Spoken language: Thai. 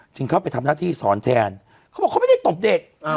เข้าไปทำหน้าที่สอนแทนเขาบอกเขาไม่ได้ตบเด็ก